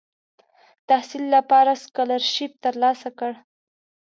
تحصیل لپاره سکالرشیپ تر لاسه کړ.